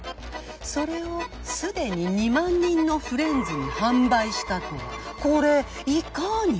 それをすでに２万人のフレンズに販売したとはこれいかに？